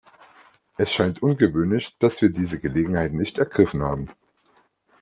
Es scheint ungewöhnlich, dass wir diese Gelegenheit nicht ergriffen haben.